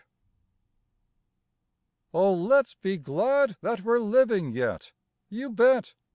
I. Oh, let's be glad that we're living yet; you bet!